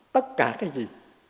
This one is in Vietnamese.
tất cả cái gì